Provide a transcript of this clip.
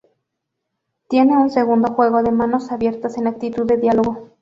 Tiene un segundo juego de manos abiertas en actitud de diálogo.